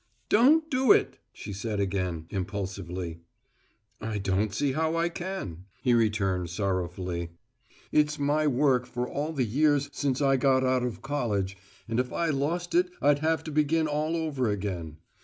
"Don't do it!" she said again, impulsively. "I don't see how I can," he returned sorrowfully. "It's my work for all the years since I got out of college, and if I lost it I'd have to begin all over again.